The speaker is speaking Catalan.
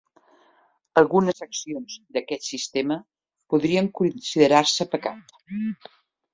Algunes accions d'aquest sistema podrien considerar-se pecat.